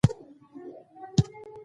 پوړونی دې رنګین کړه شپې رنګ اخلي د تیارې